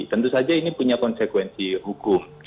tentu saja ini punya konsekuensi hukum